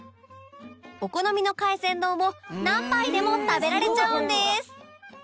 お好みの海鮮丼を何杯でも食べられちゃうんです